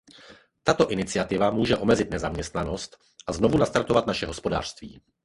Tato iniciativa může omezit nezaměstnanost a znovu nastartovat naše hospodářství.